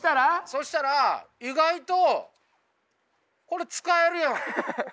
そしたら意外とこれ使えるやろ。